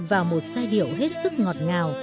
vào một giai điệu hết sức ngọt ngào